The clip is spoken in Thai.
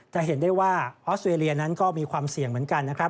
จะเห็นได้ว่าออสเวรียนั้นก็มีความเสี่ยงเหมือนกันนะครับ